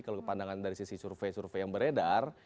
kalau pandangan dari sisi survei survei yang beredar